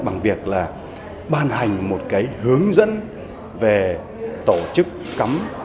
bằng việc là ban hành một cái hướng dẫn về tổ chức cấm